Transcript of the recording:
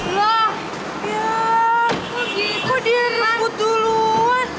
kok dia rebut duluan